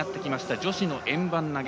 女子の円盤投げ。